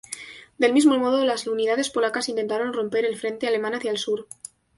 Del mismo modo, las unidades polacas intentaron romper el frente alemán hacia el sur.